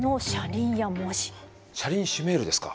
車輪シュメールですか？